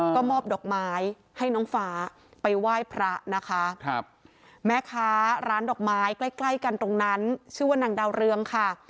ก็มอบดอกไม้ให้น้องฟ้าไปไหว้พระนะคะแม่ค้าร้านดอกไม้ใกล้ใกล้กันตรงนั้นชื่อว่านางดาวเรืองค่ะ